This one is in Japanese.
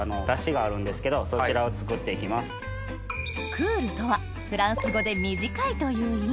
「クール」とはフランス語で「短い」という意味